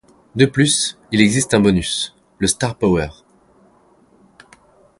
De plus, il existe un bonus: le star power.